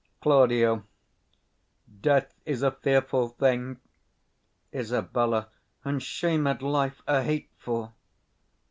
Claud. Death is a fearful thing. Isab. And shamed life a hateful.